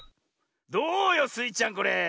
どうよスイちゃんこれ。